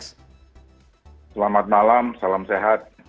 selamat malam salam sehat